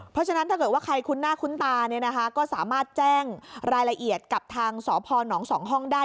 เพราะฉะนั้นถ้าเกิดว่าใครคุ้นหน้าคุ้นตาเนี่ยนะคะก็สามารถแจ้งรายละเอียดกับทางสพน๒ห้องได้